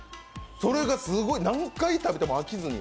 それがすごい、何回食べても飽きずに。